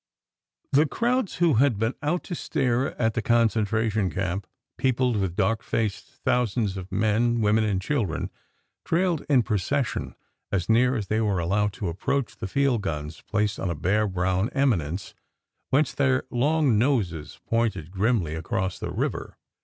The crowds who had been out to stare at the concentra tion camp, peopled with dark faced thousands of men, women, and children, trailed in procession as near as they were allowed to approach the e#i guns placed on a bare, brown eminence whence their long noses pointed grimly 109 110 SECRET HISTORY across the river.